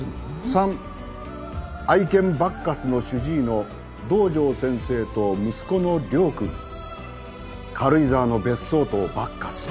「三愛犬バッカスの主治医の堂上先生と息子の亮君軽井沢の別荘とバッカス」